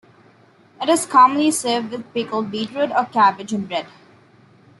It is commonly served with pickled beetroot or cabbage and bread.